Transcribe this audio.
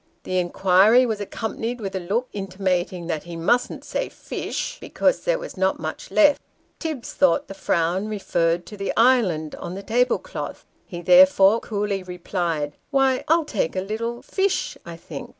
The inquiry was accompanied with a look intimating that he mustn't say fish, because there was not much left. Tibbs thought the frown referred to the island on the table cloth ; he therefore coolly replied, " Why I'll take a little fish, I think."